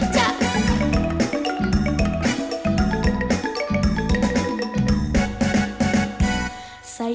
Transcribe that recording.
จะ